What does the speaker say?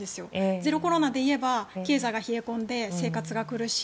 ゼロコロナでいえば経済が冷え込んで生活が苦しい。